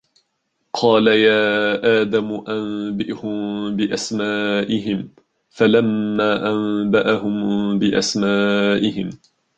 قَالَ يَا آدَمُ أَنْبِئْهُمْ بِأَسْمَائِهِمْ ۖ فَلَمَّا أَنْبَأَهُمْ بِأَسْمَائِهِمْ